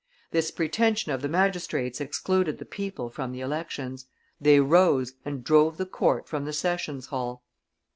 This pretension of the magistrates excluded the people from the elections; they rose and drove the court from the sessions hall.